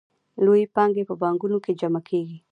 لویې پانګې په بانکونو کې جمع کېږي